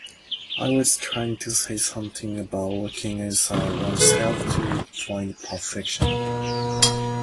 I was trying to say something about looking inside oneself to find perfection.